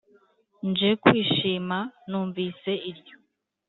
nje kwishima numvise iryo,